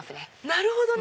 なるほどね！